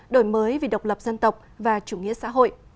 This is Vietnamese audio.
đổi mới vì độc lập dân tộc và chủ nghĩa xã hội